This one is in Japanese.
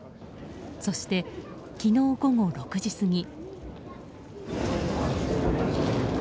そして、昨日午後６時過ぎ。